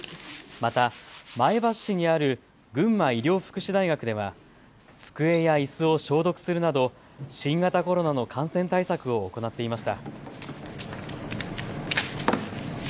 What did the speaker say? また前橋市にある群馬医療福祉大学では机やいすを消毒するなど新型コロナの感染対策を行っていました。